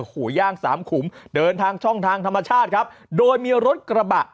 หูย่างสามขุมเดินทางช่องทางธรรมชาติครับโดยมีรถกระบะ